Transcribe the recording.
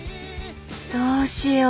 どうしよう。